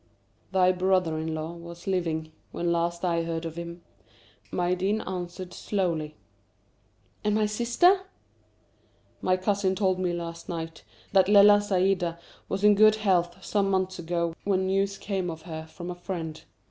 "Thy brother in law was living when last I heard of him," Maïeddine answered, slowly. "And my sister?" "My cousin told me last night that Lella Saïda was in good health some months ago when news came of her from a friend."